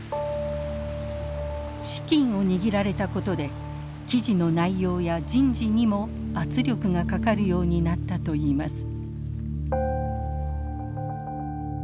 資金を握られたことで記事の内容や人事にも圧力がかかるようになったといいます。